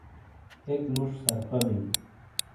اک موج سرفا بل،